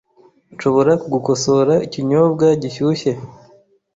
Nshobora kugukosora ikinyobwa gishyushye?